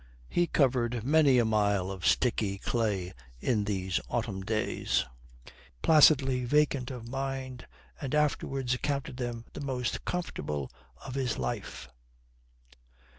He covered many a mile of sticky clay in these autumn days, placidly vacant of mind, and afterwards accounted them the most comfortable of his life.